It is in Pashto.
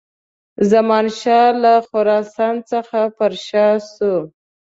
زمانشاه له خراسان څخه پر شا سو.